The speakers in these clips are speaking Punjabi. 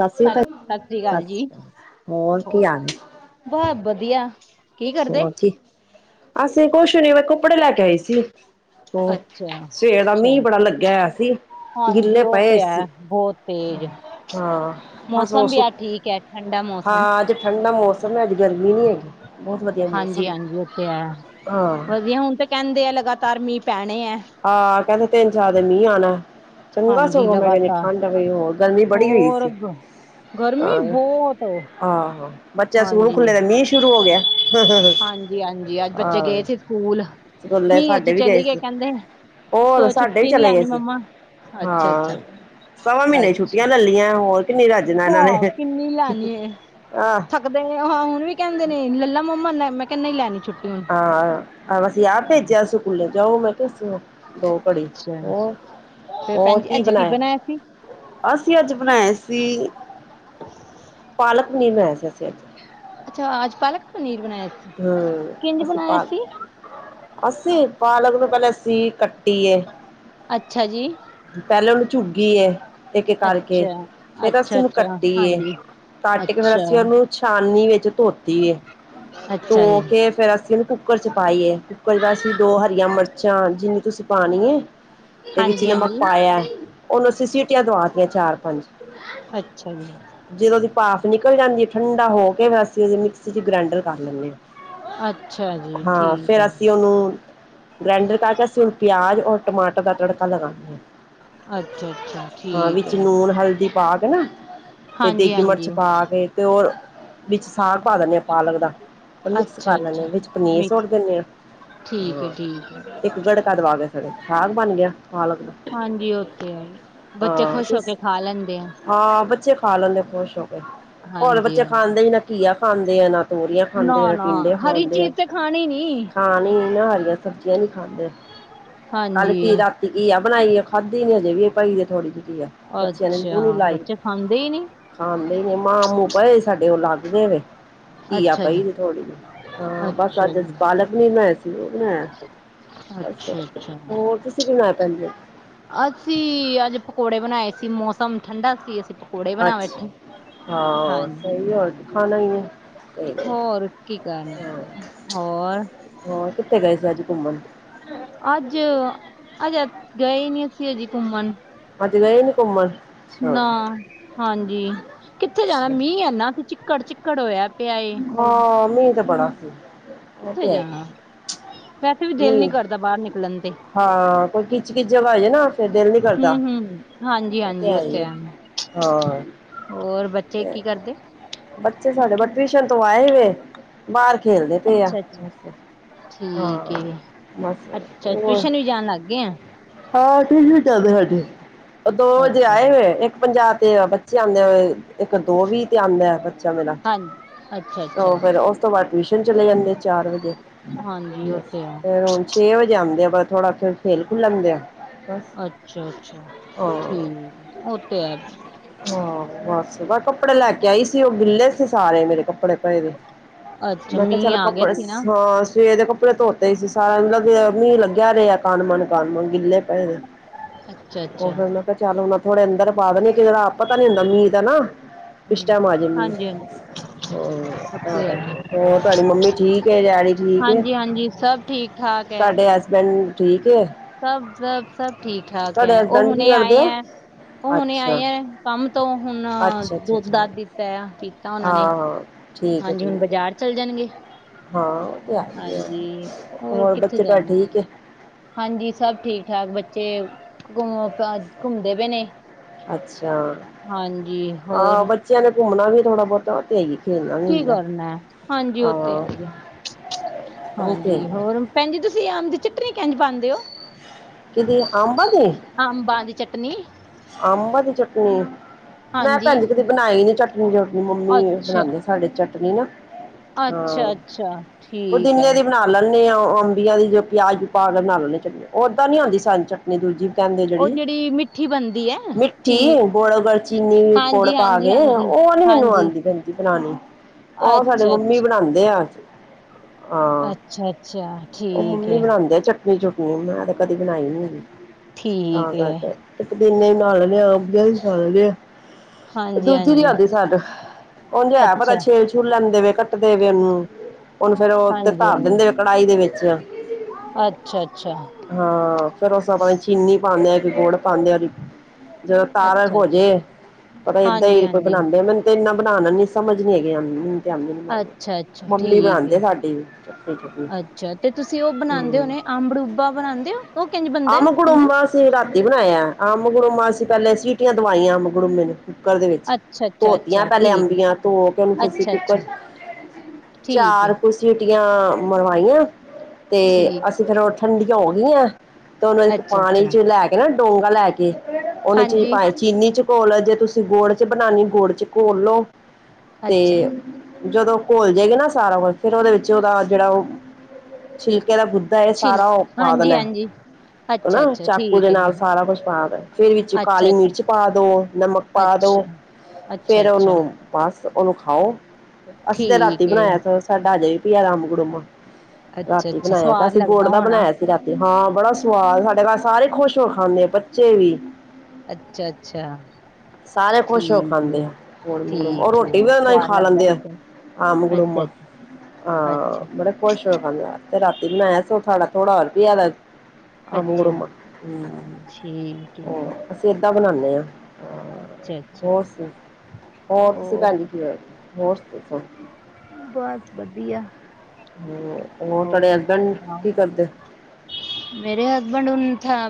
ਸਤਿ ਸ੍ਰੀ ਸ ਅਕਾਲ, ਸਸਰੀਕਾਲ ਸਤਿ ਜੀ ਸ੍ਰੀ ਅਕਾਲ, ਹੋਰ ਕੀ ਹਾਲ ਨੇ, ਬਸ ਵਧੀਆ। ਕੀ ਕਰਦੇ? ਹੋਰ ਕੀ ਅਸੀਂ ਕੁਛ ਨੀ ਬਸ ਕੱਪੜੇ ਲੈ ਕੇ ਆਏ ਸੀ। ਹੋਰ ਅੱਛਾ ਸਵੇਰ ਦਾ ਅੱਛਾ ਮੀਂਹ ਬੜਾ ਲੱਗਿਆ ਹੋਇਆ ਸੀ। ਗਿੱਲੇ ਪਏ ਹੈ ਸੀ। ਹੋਰ ਤੇ ਤੇਜ਼ ਹਾਂ ਬਸ। ਉਹ ਮੌਸਮ ਵੀ ਸਭ ਆ ਠੀਕ ਹੈ ਠੰਡਾ ਮੌਸਮ ਹਾਂ। ਠੰਡ ਦਾ ਮੌਸਮ ਹੈਗੀ, ਅੱਜ ਗਰਮੀ ਨੀ ਹੈਗੀ। ਬਹੁਤ ਵਧੀਆ ਹਾਂਜੀ- ਮੌਸਮ ਹਾਂਜੀ ਉੱਥੇ ਹੈ। ਹਾਂ, ਵਧੀਆ ਹੁਣ ਤਾਂ ਕਹਿੰਦੇ ਆ ਲਗਾਤਾਰ ਮੀਂਹ ਪੈਣੇ ਏ। ਹਾਂ ਕਹਿੰਦੇ ਤਿੰਨ-ਚਾਰ ਦਿਨ ਮੀਂਹ ਆਣਾ। ਚੰਗਾ ਹਾਂਜੀ ਸਗੋਂ ਮੈਂ ਕਹਿਨੀ। ਲਗਾਤਾਰ ਠੰਡਈ ਗਈ ਹੋ ਗਰਮੀ ਬੜੀ ਹੋਈ ਹੋਰ ਸੀ। ਗ- ਗਰਮੀ ਬਹੁਤ ਆਹ ਆਹੋ। ਬੱਚਿਆਂ ਦੇ ਸਕੂਲ ਹਾਂਜੀ ਖੁੱਲੇ ਮੀਂਹ ਸ਼ੁਰੂ ਹੋ ਗਿਆ। ਹਾਂਜੀ ਹਾਂਜੀ। ਅੱਜ ਬੱਚੇ ਗਏ ਆਹ, ਸੀ ਸਕੂਲ ਸਕੂਲੇ ਨਹੀਂ ਅੱਜ ਸਾਡੇ ਚਲੇ ਵੀ ਚਲੀ ਗਏ ਸੀ। ਕਹਿੰਦੇ, ਹੋਰ ਸਕੁਲੋ ਸਾਡੇ ਵੀ ਛੁੱਟੀ ਨੀ ਚਲੇ ਗਏ ਲੈਣੀ ਸੀ ਮੰਮਾ। ਅੱਛਾ- ਅੱਛਾ ਹਾਂ ਸਵਾ ਅ। ਮਹੀਨੇ ਛੁੱਟੀਆਂ ਲੇਲੀਆਂ ਹੋਰ ਕਿੰਨੀ ਰੱਜਨਾ ਇਹਨਾਂ ਨੇ। ਕਿੰਨੀ ਲੈਣੀ ਏ ਆਹ ਹਾਂ ਹੁਣ ਵੀ ਕਹਿੰਦੇ ਨੇ। ਲੱਲਾ ਮੰਮਾਲੈ ਮੈਂ ਕਹ ਨਹੀਂ ਲੈਣੀ ਛੁੱਟੀ ਹੁਣ। ਅਹ ਅਸੀ ਆਪ ਭੇਜਿਆ ਸਕੂਲੇ ਜਾਓ ਮੈਂ ਕਿਹਾ। ਸ ਦੋ ਘੜੀ। ਅੱਛਾ ਫਿਰ ਹੋ-ਹੋਰ ਭੈਣ ਜੀ ਕੀ ਅੱਜ ਬਣਾਇਆ? ਸੀ ਅਸੀਂ ਅੱਜ ਬਣਾਏ ਸੀ। ਪਾਲਕ ਪਨੀਰ ਬਣਾਇਆ ਸੀ ਅਸੀਂ ਅੱਜ। ਅੱਛਾ, ਅੱਜ ਪਾਲਕ ਪਨੀਰ ਬਣਾਇਆ ਸੀ। ਕਿੰਝ ਬਣਾਇਆ ਸੀ? ਅਸੀ। ਪਾਲਕ ਨੂੰ ਪਹਿਲ ਅਸੀ ਕੱਟੀ ਏ। ਅੱਛਾ ਜੀ। ਪਹਿਲਾਂ ਉਹਨੂੰ ਝੁੱਗੀ ਏ। ਇੱਕ-ਇੱਕ ਕਰਕੇ ਅੱਛਾ ਫਿਰ ਅੱਛਾ ਅਸੀਂ ਉਹਨੂੰ ਅੱਛਾ ਕੱਟੀ ਏ। ਹਾਂਜੀ ਕੱਟ ਕੇ ਫੇਰ ਅੱਛਾ ਅਸੀਂ ਉਹਨੂੰ ਛਾਨਣੀ ਵਿੱਚ ਧੋਤੀ ਏ। ਅੱਛਾ ਧੋ ਜੀ ਕੇ ਫੇਰ ਉਹਨੂੰ ਕੁੱਕਰ ਚ ਪਾਈ ਏ। ਕੋਈ ਬਾਸੀ ਦੋ ਹਰੀਆਂ ਮਿਰਚਾਂ ਜਿੰਨੀ ਤੁਸੀਂ ਪਾਣੀ ਹੈ ਤੇ ਵਿੱਚ ਹਾਂਜੀ ਨਮਕ ਹਾਂਜੀ ਪਾਇਆ। ਉਹਨੂੰ ਅਸੀਂ ਸੀਟੀਆਂ ਦਵਾਤੀਆਂ ਚਾਰ-ਪੰਜ। ਅੱਛਾ ਜੀ ਜਦੋਂ ਉਹਦੀ ਭਾਫ ਨਿਕਲ ਜਾਂਦੀ ਏ, ਠੰਡਾ ਹੋ ਕੇ ਅਸੀਂ ਉਹਦੀ ਮਿਕਸੀ ਚ ਗ੍ਰੈਂਡਰ ਕਰ ਲੈਣੇ ਆ। ਅੱਛਾ ਜੀ ਹਾਂ ਠੀਕ ਫਿਰ ਅਸੀਂ ਹੈ ਉਹਨੂੰ ਗ੍ਰੈਂਡਰ ਕਰਕੇ ਅਸੀਂ ਹੁਣ ਪਿਆਜ਼ ਔਰ ਟਮਾਟਰ ਦਾ ਤੜਕਾ ਲਗਾਣੇ ਆ। ਅੱਛਾ -ਅੱਛਾ। ਹਾਂ ਠੀਕ ਵਿੱਚ ਹੈ ਨੂਣ, ਹਲਦੀ ਪਾ ਕੇ ਨਾ ਤੇ ਹਾਂਜੀ ਦੇਗੀ ਹਾਂਜੀ ਮਿਰਚ ਪਾ ਕੇ। ਤੇ ਉਹ ਵਿੱਚ ਸਾਗ ਪਾ ਦਿੰਦੇ ਹਾਂ ਪਾਲਕ ਦਾ। ਉਹਨੂੰ ਮਿਕਸ ਅੱਛਾ ਕਰ ਲੈਂਦੇ ਹ ਅੱਛਾ ਵਿੱਚ ਪਨੀਰ ਮਿਕਸ ਸੁੱਟ ਦਿੰਦੇ ਠੀਕ ਹੈ ਹਾਂ। ਠੀਕ ਹੈ ਇੱਕ ਗੜਕਾ ਦਵਾਵੇ। ਸਾਗ ਬਣ ਗਿਆ ਪਾਲਕ ਦਾ। ਹਾਂਜੀ, ਓਕੇ ਆ। ਹਾਂ ਖੁਸ਼। ਹਾਂ ਬੱਚੇ ਖਾ ਲੈਂਦੇ ਖੁਸ਼ ਹੋ ਕੇ। ਹੁਣ ਹਾਂਜੀ ਬੱਚੇ ਹਾਂਜੀ ਖਾਂਦੇ ਹੀ ਨਾ ਘੀਆ ਖਾਂਦੇ ਆ, ਨਾ ਤੋਰੀਆਂ ਖਾਂਦੇ ਆ, ਨਾ ਟਿੰਡੇ ਹਰੀ ਖਾਂਦੇ ਆ। ਚੀਜ਼ ਤੇ ਖਾਣੀ ਨੀ। ਖਾਣੀ ਨਾ, ਹਰੀ ਸਬਜ਼ੀਆਂ ਨੀ ਖਾਂਦੇ। ਕੱਲ ਹਾਂਜੀ ਕੀ ਰਾਤੀ ਘੀ ਆ ਬਣਾਈ ਆ। ਖਾਧੀ ਨੀ ਹਜੇ ਵੀ। ਇਹ ਭਾਈ ਥੋੜੀ ਜਹੀ ਘੀ ਆ। ਅੱਛਾ, ਬੱਚੇ ਖਾਂਦੇ ਹੀ ਨੀ। ਖਾਂਦੇ ਹੀ ਮਾਂਹ-ਮੂ ਪਏ ਸਾਡੇ ਉਹ ਲੱਗ ਦੇ ਵੇ। ਘੀ ਆ ਅੱਛਾ ਪਈ ਜੀ ਜੇ ਥੋੜੀ ਜਹੀ। ਹਾਂ, ਬਸ ਅੱਛਾ ਅੱਜ ਜੀ ਪਾਲਕ ਨੀ ਬਣਾਏ ਸੀ ਉਹ ਬਣਾਇਆ। ਅੱਛਾ, ਹੋਰ ਤੁਸੀਂ ਕੀ ਬਣਾਇਆ ਭੈਣ ਜੀ? ਅਸੀਂ ਅੱਜ ਪਕੌੜੇ ਬਣਾਏ ਸੀ। ਮੌਸਮ ਠੰਡਾ ਸੀ। ਅਸੀਂ ਪਕੌੜੇ ਬਣਾ ਅੱਛਾ ਬੈਠੇ। ਹਾਂ ਹਾਂਜੀ ਸਹੀ ਗੱਲ। ਹਾਂਜੀ ਖਾਣਾ ਹੀ ਆ। ਹੋਰ ਕੀ ਕਰਨਾ ਹੋਰ। ਹੋਰ ਕਿੱਥੇ ਗਏ ਸੀ ਅੱਜ ਘੁੰਮਣ? ਅੱਜ-ਅੱਜ ਗਏ ਨੀ ਅਸੀਂ ਹਜੇ ਘੁੰਮਣ। ਅੱਜ ਗਏ ਨੀ ਘੁੰਮਣ। ਅੱਛਾ ਨਾ ਹਾਂਜੀ। ਕਿੱਥੇ ਜਾਣਾ ਅੱਛਾ ਮੀਂਹ ਐਨਾ ਕਿ ਚਿੱਕੜ 'ਚ ਚਿੱਕੜ ਹੋਇਆ ਪਿਆ ਏ। ਹਾਂ ਮੀਂਹ ਤੇ ਬੜਾ ਸੀ। ਉਹ ਕਿੱਥੇ ਤੇ ਹੈ ਹੀ ਜਾਣਾ। ਵੈਸੇ ਵੀ ਦਿਲ ਨੀ ਮੀਂਹ ਕਰਦਾ ਬਾਹਰ ਨਿਕਲਣ ਤੇ ਹਾਂ ਕੋਈ ਕਿੱਚ ਕਿਚ ਜਗ੍ਹਾ ਹੋ ਜੇ ਨਾ ਫਿਰ ਦਿਲ ਹੂੰ ਕਰਦਾ ਹੂੰ ਹਾਂਜੀ - ਇਹ ਤੇ ਹਾਂਜੀ ਹੈ ਉੱਥੇ ਹੀ ਹੈ। ਆ ਹਾਂ ਹੋਰ ਬੱਚੇ ਤੇ ਕੀ ਕਰਦੇ ਏ। ਬੱਚੇ ਸਾਡੇ ਟਿਊਸ਼ਨ ਤੋਂ ਆਏ ਵੇ ਬਾਹਰ ਖੇਲਦੇ ਪਏ ਆ। ਅੱਛਾ ਅੱਛਾ ਠੀਕ ਹਾਂ ਏ ਬਸ ਅੱਛਾ ਹੋਰ ਟਿਊਸ਼ਨ ਵੀ ਜਾਣ ਲੱਗ ਗਏ ਆ ਹਾਂ ਠੀਕ ਏ ਚੱਲਦੇ ਸਾਡੇ ਉਹ ਦੋ ਵਜੇ ਅੱਛਾ ਆਏ ਹੋਏ ਇੱਕ ਪੰਜਾਹ ਤੇ ਬੱਚੇ ਆਂਦੇ ਹੋਏ ਇੱਕ ਦੋ ਵੀਹ ਤੇ ਆਂਦਾ ਬੱਚਾ ਮੇਰਾ। ਹਾਂਜੀ ਅੱਛਾ ਜੀ। ਉਹ ਫੇਰ ਉਸ ਤੋਂ ਬਾਅਦ ਟਿਊਸ਼ਨ ਚਲੇ ਜਾਂਦੇ ਚਾਰ ਵਜੇ ਹਾਂਜੀ ਉਹ ਬਸ ਤੇ ਹੈ ਫਿਰ ਛੇ ਵਜੇ ਆਦੇ ਆ। ਬ ਥੋੜ੍ਹਾ ਫਿਰ ਖੇਲ ਖੁਲ ਲੈਂਦੇ ਆ ਬਸ ਅੱਛਾ ਅੱਛਾ ਹਾਂ। ਠੀਕ ਉਹ ਤੇ ਹੈ ਹਾ ਬਸ ਬ ਕੱਪੜੇ ਲੈ ਕੇ ਆਈ ਸੀ। ਉਹ ਗਿੱਲੇ ਸੀ ਸਾਰੇ ਮੇਰੇ ਕੱਪੜੇ ਪਏ ਵਏ। ਅੱਛਾ ਮੈਂ ਕਿਹਾ ਮੀਂਹ ਚੱਲ ਆ ਗਿਆ ਕੱਪੜੇ ਸੀ ਨਾ ਹਾਂ ਸਵੇਰ ਦੇ ਕੱਪੜੇ ਧੋ ਤੇ ਸਾਰਾ ਦਿਨ ਲੱ ਮੀਂਹ ਲੱਗਿਆ ਰਿਹਾ ਕਿਨ-ਮਨ ਕਿਨ-ਮਨ ਗਿੱਲੇ ਪਏ ਨੇ। ਅੱਛਾ ਉਹ ਅੱਛਾ ਫਿਰ ਕਿਹਾ ਚੱਲੋ ਥੋੜੇ ਅੰਦਰ ਪਾ ਦੇਣੀ ਆ ਕਿਹੜਾ ਪਤਾ ਨੀ ਹੁੰਦਾ ਮੀਂਹ ਦਾ ਨਾ। ਹਂ ਹਾਂਜੀ-ਹਾਂਜੀ। ਹਾ ਤਾਂ ਕਰਕੇ ਹੋਰ ਤੁਹਾਡੀ ਮੰਮੀ ਠੀਕ ਐ ਯਰ। ਹਾਂਜੀ-ਹਾਂਜੀ ਸਭ ਠੀਕ ਠਾਕ ਐ। ਪਿੰਡ ਠੀਕ ਐ। ਸਭ-ਸਭ-ਸਭ ਠੀਕ-ਠਾਕ ਐ। ਉਹ ਹਸਬੈਂਡ ਕੀ ਹੁਣੇ ਕਰਦੇ ਆਏ ਆ ਏ ਉਹ ਹੁਣੇ ਅੱਛਾ ਆਏ ਏ ਕੰਮ ਤੋਂ ਹੁਣ ਅੱਛਾ ਅੱਛਾ ਦੁੱਧ ਅੱਛਾ ਹਾਂ ਦੁਧ ਦਿੱਤਾ ਆ ਪੀਤਾ ਉਹਨਾਂ ਨੇ। ਹਾਂ ਠੀਕ ਹੈ ਹਾਂਜੀ ਹੁਣ ਠੀਕ ਹੈ ਬਾਜ਼ਾਰ ਚੱਲ ਜਾਣਗੇ। ਹਾਂ ਉਹ ਤੇ ਆ ਹਾਂਜੀ ਹੋਰ ਕਿੱਥੇ ਬੱਚੇ ਘਰ ਜਾਣਾ ਠੀਕ ਐ। ਹਾਂਜੀ ਸਭ ਠੀਕ-ਠਾਕ। ਬੱਚੇ ਘੁੰਮ ਘੁੰਮਦੇ ਪਏ ਨੇ। ਅੱਛਾ ਹਾਂਜੀ ਹਾਂ ਹੋਰ ਬੱਚਿਆਂ ਨੇ ਘੁੰਮਣਾ ਵੀ ਥੋੜਾ ਬਹੁਤਾ ਤੇ ਹੈ ਹੀ ਖੇਲਣਾ ਵੀ ਕੀ ਹੁੰਦਾ ਕਰਨਾ ਹਾਂਜੀ ਹਾਂ ਉਹ ਤੇ ਹੈ ਹੀ ਹੈ ਉਹ ਤੇ ਹੈ ਹਾਂਜੀ। ਹੀ ਹੈ ਹੋਰ ਭੈਣਜੀ ਤੁਸੀਂ ਆਮ ਦੀ ਚਟਣੀ ਕਿੰਜ ਪਾਉਂਦੇ ਓ। ਕਿਹਦੀ ਅੰਬ ਦੀ ਅੰਬਾਂ ਦੀ ਚਟਨੀ। ਅੰਬ ਦੀ ਚਟਨੀ ਮੈਂ ਹਾਂਜੀ ਭੈਣ ਜੀ ਕਦੀ ਬਣਾਈ ਨੀ ਚਟਨੀ ਚੂਟਨੀ ਮੰਮੀ ਅੱਛਾ ਬਣਾਂਦੇ ਸੀ। ਸਾਡੇ ਚਟਨੀ ਨਾ ਅ ਅੱਛਾ-ਅੱਛਾ ਠੀਕ ਐ ਪੁਦੀਨੇ ਦੀ ਬਣਾ ਲੈਂਣੇ ਆ ਅੰਬੀਆਂ ਦੀ ਜੋ ਪਿਆਜ ਪਾ ਕੇ ਬਣਾ ਲੈਣੇ ਆ ਚਟਨੀ। ਉਹ ਉਹ ਤਾ ਨੀ ਆਉਂਦੀਤਯ ਸਾਨੂੰ ਚਟਨੀ ਦੂਜੀ ਕਹਿੰਦੇ ਜਿਹੜੀ ਮਿੱਠੀ ਬਣਦੀ ਐ। ਮਿੱਠ ਚੀਨੀ ਗੁੜ ਗਲ ਚੀਨੀ ਗੁੜ ਪਾ ਕੇ ਹਾਂਜੀ-ਹਾਂਜੀ-ਹਾਂਜੀ, ਉਹ ਨੀ ਮੈਨੂੰ ਹਾਂਜੀ ਆਂਦੀ ਭੈਣ ਜੀ। ਬਣਾਣੀ ਉਹ ਸਾਡੇ ਮੰਮੀ ਅੱਛਾ-ਅੱਛਾ, ਬਣਾਉਂਦੇ ਆ ਹਾਂ ਅੱਛਾ-ਅੱਛਾ ਉਹ ਠੀਕ ਮੰਮੀ ਏ, ਬਣਾਂਦੇ ਆ ਚਟ ਨੀ ਚਟਣੀ ਮੈਂ ਕਦੇ ਬਣਾਈ ਨੀ ਹੈਗੀ। ਤਾਂ ਠੀਕ ਏ ਕਰਕੇ ਪਦੀਨੇ ਦੀ ਬਣਾ ਲੈਣੇ ਆ ਅੰਬੀਆ ਦੀ ਬਣਾ ਲੈਣੇ ਆ ਦੂਜੀ ਨੀ ਹਾਂਜੀ-ਹਾਂਜੀ ਆਂਦੀ ਸਾਨੂੰ। ਉਨ੍ਹਾਂ ਜੇ ਪਤਾ ਅੱਛਾ ਛੇਲ ਛੂਲ ਲੈਂਦੇ ਵ ਕੱਟਦੇ ਵ ਉਹਨੂੰ ਉਹਨ ਫੇਰ ਉਹ ਤੇ ਧਾਰ ਹਾਂਜੀ-ਹਾਂਜੀ, ਦਿੰਦੇ ਆ। ਕੜਾਹੀ ਦੇ ਵਿੱਚ ਅੱਛਾ-ਅੱਛਾ। ਹਾਂ ਫੇਰ ਉਸ 'ਚ 'ਆਪ ਚੀਨੀ ਪਾਉਂਦੇ ਆ ਇੱਕ ਗੁੜ ਪਾਉਂਦੇ ਆ ਜਦੋਂ ਤਰ ਅੱਛਾ-ਅੱਛਾ ਹੋਜੇ ਏਦਾਂ ਹੀ ਕੋਈ ਹਾਂਜੀ-ਹਾਂਜੀ, ਬਣਾਉਂਦੇ ਮੈਨੂੰ ਤੇ ਇੰਨਾ ਬਣਾ ਲੈ ਨ ਸਮਝ ਨੀ ਹੈਗੇ ਅੱਛਾ-ਅੱਛਾ ਮੰਮੀ ਠੀਕ ਬਣਾਉਂਦੇ ਆ ਏ ਸਾਡੀ ਵੀ ਚਟਣੀ -ਚੁੱਟਣੀ ਹਮ ਅੰਬੜੂਦਾ ਬਣਾਉਦੇ ਹੋ ਉਹ ਕਿੰਝ ਬਣਦਾ ਅੰਬ ਹਾਂਜੀ। ਗੁੜੁੰਬਾ ਅਸੀਂ ਰਾਤੀ ਬਣਾਇਆ ਅੰਬ- ਗੜੂਮਾ ਪਹਿਲੇ ਸੀਟੀਆਂ ਦਵਾਈਆਂ ਅੰਬ- ਗੜੂਮੇ ਨੂੰ। ਕੁੱਕਰ ਦੇ ਵਿੱਚ, ਅੱਛਾ-ਅੱਛਾ, ਧੋਤੀਆਂ ਅੱਛਾ ਅੱਛਾ ਪਹਿਲੇ ਠੀਕ ਅੰਬੀਆਂ ਧੋ ਕੇ ਉਹਨੂੰ ਪਰੈਸ਼ਰ ਕੁੱਕਰ ਅੱਛਾ-ਅੱਛਾ ਚ ਠੀਕ ਚਾਰ ਏ ਕੁ ਸੀਟੀਆਂ ਮਰਵਾਈਆਂ ਤੇ ਠੀਕ ਅਸੀਂ ਫਿਰ ਉਹ ਠੰਡੀਆਂ ਹੋ ਗਈਆਂ। ਤੇ ਉਹਨੂੰ ਇੱਕ ਪਾਣੀ ਅੱਛਾ-ਅੱਛਾ ਚ ਲੈ ਕੇ ਨਾ ਡੌਗਾ ਲੈ ਕੇ ਉਹਨੂੰ ਚੀਜ਼ ਹਾਂਜੀ ਪਾਣੀ ਚੀਨੀ ਚ ਘੋਲ ਜੇ ਤੁਸੀਂ ਗੁੜ ਚ ਬਣਾਉਣੀ ਗੁੜ ਚ ਘੋਲ ਲੋ ਤੇ ਅੱਛਾ ਜਦੋਂ ਘੁਲ ਜਾਏਗੀ ਨਾ ਸਾਰਾ ਕੁਛ ਫਿਰ ਉਹਦੇ ਵਿੱਚ ਉਹਦਾ ਜਿਹੜਾ ਉਹ ਛਿਲਕੇ ਦਾ ਗੁੱਦਾ ਇਹ ਛਿਲ ਸਾਰਾ ਉਹ ਪਾ ਹਾਂਜੀ ਦੇਣਾ ਹਾਂਜੀ ਅੱਛਾ ਹਨਾ ਅੱਛਾ ਚੱਕ ਠੀਕ ਹੈ ਜੀ ਨਾਲ ਸਾਰਾ ਕੁਛ ਪਾ ਦੇਣਾ, ਫਿਰ ਵਿੱਚ ਅੱਛਾ ਕਾਲੀ ਅੱਛਾ ਮਿਰਚ ਪਾ ਦੋ, ਨਮਕ ਪਾ ਦੋ ਅੱਛਾ ਅੱਛਾ -ਅੱਛਾ। ਬੱਸ ਉਹਨੂੰ ਖਾਓ, ਅੱਸੀਂ ਤੇ ਰਾਤੀ ਠੀਕ ਏ ਬਣਾਇਆ ਸੀ। ਸਾਡਾ ਅਜੇ ਵੀ ਪਿਆ ਰਾਮ ਅੱਛਾ ਗੜੂਮਾਰਾਤੀ ਅੱਛਾ ਬਣਾਇਆ, ਸਵਾਦ ਅਸੀਂ ਗੁੜ ਲੱਗਦਾ ਦਾ ਹੋਣਾ ਬਣਾਇਆ ਸੀ। ਰਾਤੀ ਹਾਂ ਬੜਾ ਸਵਾਦ, ਸਾਡੇ ਘਰ ਸਾਰੇ ਖੁਸ਼ ਹੋ ਕੇ ਖਾਂਦੇ ਆ ਬੱਚੇ ਵੀ। ਅੱਛਾ -ਅੱਛਾ। ਸਾਰੇ ਖੁਸ਼ ਹੋ ਕੇ ਠੀਕ ਖਾਂਦੇ ਹੈ ਆ ਗੁੜ -ਗੜੂਮਾ ਠੀਕ ਹੈ ਰੋਟੀ ਵੀ ਉਹਦੇ ਨਾਲ ਹੀ ਸਵਾਦ ਖਾ ਲੱਗਦਾ ਲੈਂਦੇ ਆ। ਬੱਚੇ ਆਹ ਅੰਬ ਨੂੰ ਅੱਛਾ -ਗੜੂਮਾ ਅੱਛਾ ਆਹ ਅੱਛਾ ਮੜ ਖੁਸ਼ ਹੋ ਕੇ ਖਾਂਦੇ ਆ ਤੇ ਰਾਤੀ ਬਣਾਇਆ ਸੀ ਸਾਡਾ ਥੋੜਾ ਹੋਰ ਵੀ ਪਿਆ ਅੰਬ- ਅੱਛਾ ਗੜੂੂਮਾ। ਠੀਕ ਹੈ ਹਰ ਅਸੀਂ ਏਦਾਾਂ ਬਣਾਉਦੇ ਹਾਂ। ਅੱਛਾ -ਅੱਛਾ। ਹੋਰ ਤੁਸੀਂ ਭੈਣ ਜੀ ਕੀ ਹੋ ਹੋਇਆ ਹੋਰ ਦੱਸੋ। ਬਸ ਵਧੀਆ ਹਮ। ਹੋਰ ਤੁਹਾਡੇ ਹਸਬੈਂਡ ਕੀ ਕਰਦੇ? ਮੇਰੇ ਹਸਬੈਂਡ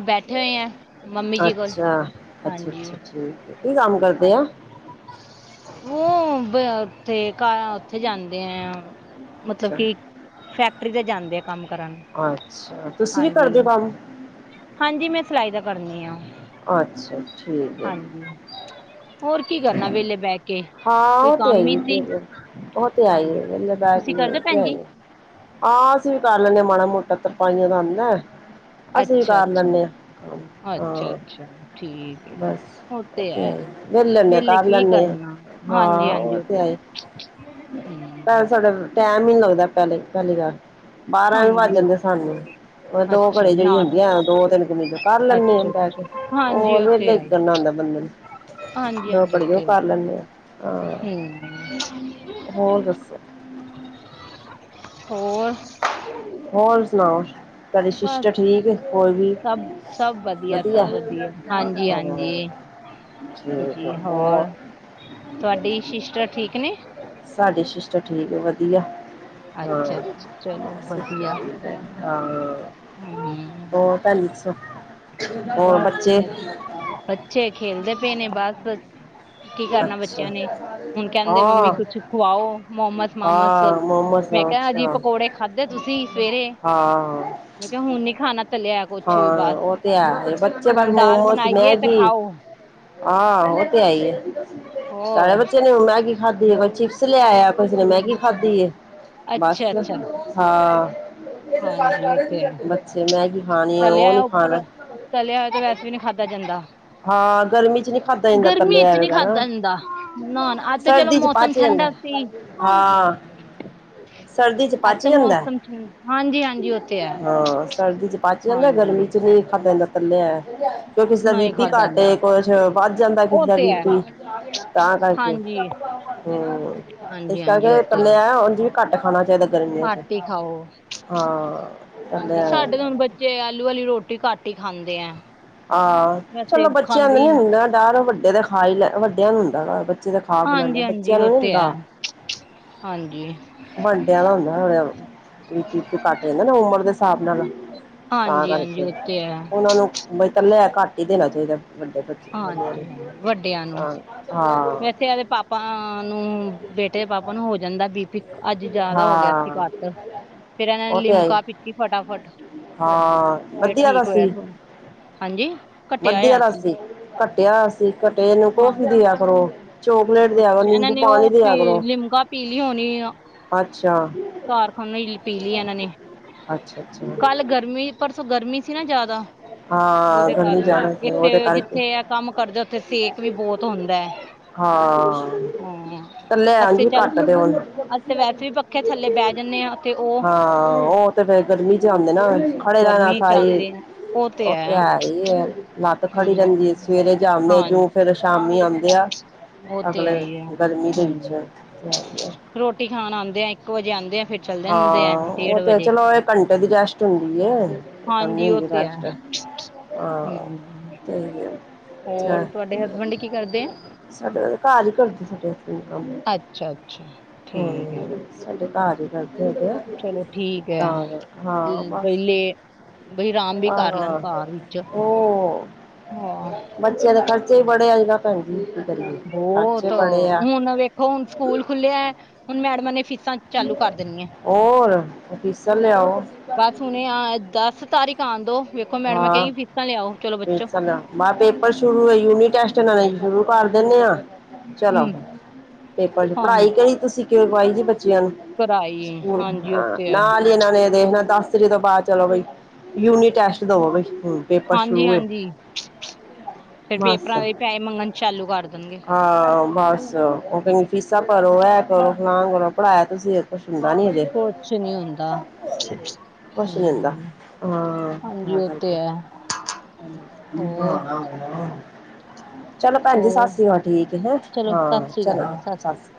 ਬੈਠੇ ਹੋਏ ਆ, ਮੰਮੀ ਜੀ ਕੋਲ ਅੱਛਾ ਅੱਛਾ ਹਾਂਜੀ ਅੱਛਾ ਹਾਂ ਠੀਕ ਹੈ ਕੀ ਕੰਮ ਕਰਦੇ ਆ [unintelligible] ਮਤਲਬ ਅੱਛਾ ਕਿ ਫੈਕਟਰੀ ਤੇ ਜਾਂਦੇ ਆ ਕੰਮ ਕਰਨ ਨੂੰ। ਅੱਛਾ, ਤੁਸੀਂ ਵੀ ਕਰਦੇ ਹੋ ਕੰਮ। ਹਾਂਜੀ, ਮੈਂ ਸਿਲਾਈ ਦਾ ਕਰਨੀ ਆ। ਅੱਛਾ, ਠੀਕ ਹੈ। ਹਮ। ਹਾਂ ਕੋਈ ਉਹ ਤੇ ਕੰਮ ਹੀ ਆਈ। ਸੀ ਫਿਰ ਉਹ ਤੇ ਆਈ ਹਾਂਜੀ ਆ ਲਦਾ ਤੁਸੀਂ ਕਰਦੇ ਭੈਣ ਜੀ ਕੇ ਹਾਂ ਅਸੀਂ ਵੀ ਕਰ ਲੈਦੇ ਮਾੜਾ ਮੋਟਾ ਤਰਪਾਈਆਂ ਦਾ ਅਸੀਂ ਵੀ ਅੱਛਾ ਕਰ ਅੱਛਾ ਲੈਂਦੇ ਹਾਂ ਅੱਛਾ ਅੱਛਾ ਠੀਕ ਹੈ ਬਸ। ਉਹ ਤੇ ਅੱਛਾ। ਹੈ [unintelligible] ਮਤਲਬ ਵੇਲੇ ਕੀ ਕਰਨਾ ਹਾਂਜੀ ਹਾਂਜੀ ਉਹ ਤੇ ਹੈ। ਹਮ ਟਾਇਮ ਹੀ ਨੀ ਲੱਗਦਾ ਪਹਿਲੇ, ਪਹਿਲੀ ਗੱਲ ਬਾਰਾਂ ਵੀ ਵੱਜ ਹਾਂਜੀ ਜਾਂਦੇ ਆ ਉਹ- ਸਾਨੂੰ। ਹੁਣ ਦੋ ਅੱਛਾ ਘੜੀ ਜਿਹੜੀ ਨਾ ਹੁੰਦੀ ਆ ਦੋ- ਤਿੰਨ ਕਮੀਜ਼ ਕਰ ਅੱਛਾ ਲੈਂਦੇ ਆ ਅੱਛਾ ਪੈ ਕੇ ਹਾਂਜੀ ਹੋਰ ਉਹ ਤੇ ਵਿਹਲੇ ਕੀ ਆਈ ਕਰਨਾ ਹੁੰਦਾ ਬੰਦੇ ਨੇ ਹਾਂਜੀ ਦੋ ਹਾਂਜੀ ਘੜੀ ਉਹ ਤੇ ਕਰ ਹੈ ਲੈਦੇ ਆ। ਹਾਂ ਹਮ। ਹੋਰ ਦੱਸੋ ਹੋਰ। ਹੋਰ ਸੁਣਾਓ। ਤੁਹਾਡੀ ਬਸ ਸ਼ਿਸ਼ਟਰ ਠੀਕ ਏ, ਹੋਰ ਵੀ ਸਭ ਸਭ ਵਧੀਆ। ਸਭ ਠੀਕ ਹਾਂਜੀ ਆ ਹਾਂਜੀ ਹੋਰ ਤੁਹਾਡੀ ਸਿਸ਼ਟਰ ਠੀਕ ਨੇ? ਸਾਡੇ ਸਿਸਟਰ ਠੀਕ ਆ ਵਧੀਆ। ਹਾਂ ਅੱਛਾ ਜੀ। ਸਿਸਟਰ ਠੀਕ ਆ, ਹਾਂ, ਹਮ ਹੋਰ ਭੈਣ ਜੀ ਦੱਸੋ? ਹੋਰ ਬਸ ਬੱਚੇ ਬੱਚੇ ਖੇਲਦੇ ਪਏ ਨੇ ਬਸ। ਕੀ ਕਰਨਾ ਅੱਛਾ ਬੱਚਿਆਂ ਨੇ ਹੁਣ ਕਹਿੰਦੇ ਮੰਮੀ ਹਾਂ ਕੁਛ ਖਵਾਓ ਮੋਮਸ-ਮਾਮਸ ਹਾਂ ਮੋਮੋਸ ਮੈਂ ਕਿਹਾ ਜੀ, ਅੱਛਾ ਪਕੌੜੇ ਖਾਂਧੇ ਤੁਸੀਂ ਸਵੇਰੇ ਹਾਂ ਮੈਂ ਕਿਹਾ ਹੁਣ ਨੀ ਖਾਣਾ ਤੇ ਲਿਆ ਕੁਛ ਵੀ ਬਾਹਰ, ਹਾਂ ਉਹ ਤੇ ਹੈ ਬੱਚੇ ਬਸ ਹੁਣ ਦਾਲ ਮੋਮੋਸ ਬਣਾਈਏ ਤੇ ਮੈਗੀ ਖਾਓ। ਆਹ ਉਹ ਤੇ ਏਈ ਐ ਸਾਰੇ ਹੋਰ ਬੱਚੇ ਨੇ ਹੁਣ ਮੈਗੀ ਖਾਧੀ ਏ ਕੋਈ ਚਿਪਸ ਲਿਆਇਆ ਕਿਸੇ ਨੇ ਮੈਗੀ ਖਾਧੀ ਏ ਅੱਛਾ ਬਸ ਅੱਛਾ ਹਾਂ ਹਾਂਜੀ ਉਹ ਤੇ ਹੈ ਬੱਚੇ ਮੈਗੀ ਖਾਣੀ ਉਹ ਤਲਿਆ ਨੀ ਉੱਪਰ ਖਾਣਾ ਤਲਿਆ ਹੋਇਆ ਤਾਂ ਵੈਸੇ ਵੀ ਨੀ ਖਾਧਾ ਜਾਂਦਾ। ਹਾਂ ਗਰਮੀ ਚ ਨੀ ਖਾਧਾ ਜਾਂਦਾ ਗਰਮੀ ਤਲਿਆ 'ਚ' ਨੀ ਵਗੈਰਾ ਖਾਦਾਂ ਜਾਂਦਾ, ਨਾ-ਨਾ ਅੱਜ ਤਾਂ ਚਲੋ ਮੌਸਮ ਠੰਡਾ ਸੀ। ਆ ਸਰਦੀ 'ਚ' ਅੱਜ ਪਚ ਤੇ ਜਾਂਦਾ, ਮੌਸਮ ਠੰਡ ਹਾਂਜੀ ਹਾਂਜੀ ਉਹ ਤੇ ਹੈ ਹਾਂ ਸਰਦੀ 'ਚ' ਪਚ ਜਾਂਦਾ ਹਾਂਜੀ ਗਰਮੀ 'ਚ' ਨਹੀਂ ਖਾ ਜਾਂਦਾ ਤਲਿਆ ਹੋਇਆ ਕਿਉਂ ਕਿਸੇ ਦਾ ਬੀ ਨਹੀਂ ਪੀ ਖਾਧਾ ਜਾਂਦਾ ਘਾਟੇ ਕੁੱਛ ਵੱਧ ਜਾਂਦਾ ਕਿਸੇ ਉਹ ਦਾ ਬੀ ਤੇ ਹੈ ਪੀ ਤਾਂ ਕਰਕੇ ਹਾਂਜੀ ਹੂੰ, ਇਸ ਹਾਂਜੀ ਹਾਂਜੀ ਉਹ ਕਰਕੇ ਤੇ ਹੈ ਤਲਿਆਂ ਉਝਂ ਵੀ ਘੱਟ ਖਾਣਾ ਚਾਹੀਦਾ ਗਰਮੀਆਂ 'ਚ' ਘੱਟ ਹੀ ਖਾਓ ਹਾਂ, ਚੱਲਿਆ ਜੇ ਆਲੂ ਵਾਲੀ ਰੋਟੀ ਘੱਟ ਹੀ ਖਾਂਦੇ ਐ ਆਹ ਚਲੋ ਬੱਚਿਆਂ ਨੂੰ ਨਹੀਂ ਨੀ ਹੁੰਦਾ ਡਰ ਵੱਡੇ ਤਾਂ ਖਾ ਹੀ ਲੈ, ਵੱਡਿਆਂ ਨੂੰ ਹੁੰਦਾ ਡਰ ਬੱਚੇ ਤਾਂ ਖਾਂ-ਖੂ ਲੈਂਦੇ ਆ, ਹਾਂਜੀ ਹਾਂਜੀ ਬੱਚਿਆਂ ਨੂੰ ਉਹ ਨੀ ਤੇ ਹੈ ਹੁੰਦਾ ਹਾਂਜੀ। ਵਾਂਡੇਆਲਾ ਹੁੰਦਾ ਮਤਲਬ ਬੀ ਪੀ, ਬੋ ਪੀ ਕੱਟ ਜਾਂਦਾ ਨਾ ਉਮਰ ਦੇ ਹਿਸਾਬ ਨਾਲ ਤਾਂ ਹਾਂਜੀ ਹਾਂਜੀ ਕਰਕੇ ਉਹ ਤੇ ਹੈ ਉਹਨਾ ਨੂੰ ਬਾਈ ਤਲਿਆ ਘੱਟ ਹੀ ਦੇਣਾ ਚਾਹੀਦਾ ਵੱਡੇ ਵੱਡਿਆਂ ਨੂੰ ਹਾਂਜੀ ਤਾਂ ਹਾਂ ਇਥੇ ਇਹਦੇ ਪਾਪਾ ਨੂੰ ਬੇਟੇ ਦੇ ਪਾਪਾ ਨੂੰ ਹੋ ਜਾਂਦਾ ਬੀ ਪੀ ਅੱਜ ਜਿਆਦਾ ਹੋ ਗਿਆ ਹਾਂ ਸੀ ਘੱਟ ਫਿਰ ਇਹਨਾਂ ਨੇ ਉਹ ਤੇ ਹੈ ਹੀ ਲਿਮਕਾ ਪੀਤੀ ਫਟਾਫਟ ਹਾਂ ਫਿਰ ਵਧੀਆ ਤਾਂ ਠੀਕ ਹੋਇਆ ਸੀ। ਥੋੜ੍ਹਾ ਹਾਂਜੀ। ਘਟਿਆ ਵਧਿਆ ਹੋਇਆ ਆਲਾ ਸੀ ਘੱਟਿਆ ਸੀ ਘਟੇ ਨੂੰ ਹਾਂ ਕੋਫੀ ਦੇ ਆ ਕਰੋ। ਚੋਕਲੇਟ ਦੇਇਆ ਕਰੋ, ਨਿੰਬੂ ਪਾਣੀ ਦੇਇਆ ਕਰੋਂ। ਪੀਲੀ ਹੋਣੀ ਆ ਕਾਰਖਾਨੀ ਪੀ ਲਈ ਇਹਨਾਂ ਨੇ ਅੱਛਾ-ਅੱਛਾ। ਕੱਲ ਗਰਮੀ ਪਰਸੋਂ ਗਰਮੀ ਸੀ ਨਾ ਜ਼ਿਆਦਾ ਹਾਂ, ਉਹਦੇ ਗਲੀ ਕਾਰਨ ਜਾਣਾ ਸੀ ਉਹਦੇ ਇਥੇ ਕਰਕੇ। ਜਿੱਥੇ ਐ ਕੰਮ ਕਰਦਾ ਉੱਥੇ ਸੇਕ ਵੀ ਬਹੁਤ ਹੁੰਦਾ। ਹਾਂ, ਹਾਂ ਤੇਲਿਆ ਉਂਝ ਅਸੀਂ ਹੀ ਚੱਲ ਕੱਟ ਦਿਓ ਉਨੂੰ। ਅਸੀਂ ਤੇ ਵੈਸੇ ਵੀ ਪੱਖੇ ਥੱਲੇ ਬਹਿ ਜੰਨੇ ਆ ਤੇ ਉਹ ਹਾਂ ਉਹ ਤੇ ਫੇਰ ਗਰਮੀ 'ਚ' ਆਂਦੇ ਨਾ ਖੜੇ ਰਹਿਣਾ ਸਾਹੀ ਉਹ ਤੇ ਹੈ ਹੀ ਲੱਤ ਖੜੀ ਰਹਿੰਦੀ ਹਮ ਸਵੇਰੇ ਜਾਂਦੇ ਆ ਹਾਂ ਜੂ ਫਿਰ ਸ਼ਾਮੀ ਆਉਂਦੇ ਆ ਉਹ ਤੇ ਹੈ ਅਗਲੇ ਹੀ ਆ ਗਰਮੀ ਦੇ ਵਿੱਚ ਹਮ ਹੈਈਏ। ਰੋਟੀ ਖਾਣ ਆਉਂਦੇ ਆ ਇੱਕ ਵਜੇ ਆਉਂਦੇ ਆ ਫਿਰ ਚੱਲ ਜਾਂਦੇ ਆ ਹਾਂ ਡੇਢ ਉਹ ਤੇ ਵਜੇ ਚਲੋ ਇਕ ਘੰਟੇ ਦੀ ਰੈਸਟ ਹੁੰਦੀ ਏ ਕਰਨੀ ਹਾਂਜੀ ਉਹ ਹੁੰਦੀ ਤੇ ਹੈ ਰੈਸਟ ਹਾਂ ਹਮ ਤਹੀ ਐ ਹੋਰ ਤੁਹਾਡੇ ਹਸਫਿਡ ਕੀ ਕਰਦੇ ਆ ਸਾਡੇ ਘਰ ਹੀ ਕਰਦੇ ਸਾਡੇ ਕੋਈ ਕੰਮ ਅੱਛਾ ਅੱਛਾ ਠੀਕ ਹੈ ਸਾਡੇ ਘਰ ਹੀ ਦੱਸ ਦੇ ਪਏ। ਚਲੋ ਠੀਕ ਹੈ ਹਾਂ ਬਸ ਬਈ ਲੇ ਬਈ ਆਰਾਮ ਵੀ ਕਰ ਲੈਣ ਆਹ ਘਰ ਵਿੱਚ ਹੋਰ। ਹਾਂ ਬੱਚਿਆਂ ਦੇ ਖਰਚੇ ਵੀ ਬੜੇ ਅੱਜ ਭੈਣ ਜੀ ਕੀ ਕਰੀਏ ਖਰਚੇ ਬਹੁਤ ਬੜੇ ਆ ਹੁਣ ਵੇਖੋ ਹੁਣ ਸਕੂਲ ਖੁੱਲਿਆ ਹੁਣ ਮੈਡਮਾਂ ਨੇ ਫੀਸਾਂ ਚਾਲੂ ਕਰ ਦੇਣੀਆਂ ਹੋਰ ਹੁਣ ਫੀਸਾਂ ਲਿਆਓ। ਬਸ ਹੁਣੇ ਆ ਦਸ ਤਾਰੀਖ ਆਉਣ ਦੋ ਵੇਖੋ ਮੈਡਮ ਮੈਂ ਕਹਗੀ ਫੀਸਾਂ ਲਿਆਓ ਚਲੋ ਬੱਚੋ। ਮੈਂ ਪੇਪਰ ਸ਼ੁਰੂ ਹੋ, ਯੂਨੀ ਟੈਸਟ ਲ ਸ਼ੁਰੂ ਕਰ ਦਿੰਦੇ ਆ। ਚਲੋ ਹਮ ਪੇਪਰ 'ਚ' ਹਾਂ ਪੜ੍ਹਾਈ ਕਿਹੜੀ ਤੁਸੀਂ ਜੀ ਕਾਰਵਾਈ ਬੱਚਿਆਂ ਨੂੰ। ਕਰਾਈ ਸਕੂਲ ਹਾਂਜੀ ਉਹ ਹਾਂ, ਤੇ ਹੈ ਨਾਲ ਇਹਨਾਂ ਨੇ ਦੇਖਣਾ ਦਸ ਤਰੀਕ ਤੋਂ ਬਾਅਦ ਚਲੋ। ਬਈ ਯੂਨੀ ਟੈਸਟ ਦਵੋ ਬਈ ਹਮ। ਹਾਂਜੀ -ਹਾਂਜੀ। ਫਿਰ ਮੱਸ, ਪੇਪਰਾਂ ਦੇ ਪੈਸੇ ਮੰਗਣ ਚਾਲੂ ਕਰ ਦੇਣਗੇ ਹਾਂ ਬੱਸ ਉਹ ਕਹਿੰ। ਫੀਸਾਂ ਭਰੋ, ਐ ਭਰੋ ਫਲਾਨ ਕਰੋ, ਪੜ੍ਹਾਇਆ ਤੁਸੀਂ ਇੱਕ। ਕੁਛ ਹੁੰਦਾ ਨੀ ਅਜੇ ਕੁਛ ਨੀ ਹੁੰਦਾ ਕੁਛ ਨੀ ਹੁੰਦਾ ਹਾਂ। ਜੀ ਉਥੇ ਐ। ਕੀ [unintelligible] ਚਲੋ ਭੈਣ ਜੀ ਹੋਰ ਸਸ੍ਰੀਵਾਲ ਠੀਕ ਹੈ। ਚਲੋ ਹਾਂ ਸਤਿ ਸ੍ਰੀ ਚਲੋ ਅਕਾਲ ਜੀ ਸਤਿ ਸ੍ਰੀ ਅਕਾਲ ਸਸ੍ਰੀ।